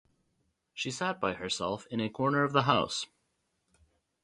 She sat by herself in a corner of the house.